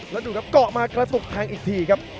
แล้วดูครับเกาะมากระตุกแทงอีกทีครับ